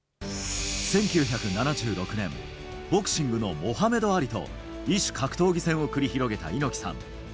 １９７６年、ボクシングのモハメド・アリと異種格闘技戦を繰り広げた猪木さん。